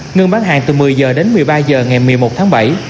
ngưng bán hàng từ một mươi h đến một mươi ba h ngày một mươi một tháng bảy